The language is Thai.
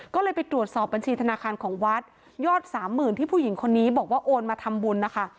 ก็เลยไปตรวจสอบบัญชีธนาคารของวัดยอดสามหมื่นที่ผู้หญิงคนนี้บอกว่าโอนมาทำบุญนะคะ